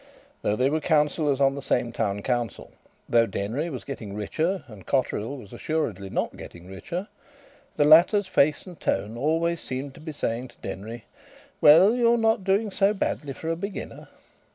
Though they were Councillors on the same Town Council, though Denry was getting richer and Cotterill was assuredly not getting richer, the latter's face and tone always seemed to be saying to Denry: "Well, you are not doing so badly for a beginner."